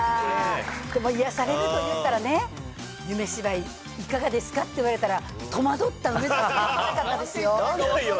でも癒やされると言ったらね、夢芝居、いかがですか？って言われたら、戸惑った梅沢さん、かわいかったですよ。